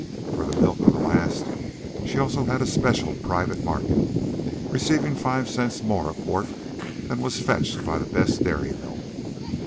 For the milk of the last she also had a special private market, receiving five cents more a quart than was fetched by the best dairy milk.